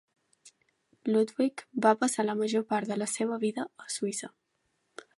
Ludwig va passar la major part de la seva vida a Suïssa.